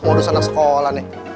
waduh sana sekolah nih